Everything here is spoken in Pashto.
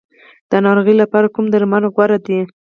د ناروغۍ لپاره کوم درمل غوره دي؟